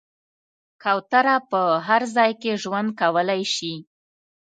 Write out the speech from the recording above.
کوتره په هر ځای کې ژوند کولی شي.